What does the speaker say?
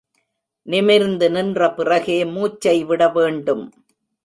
நிமிர்ந்து நின்ற பிறகே மூச்சை விட வேண்டும்.